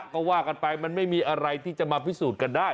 ก็ว่ากันไปมันไม่มีอะไรที่จะมาพิสูจน์กันได้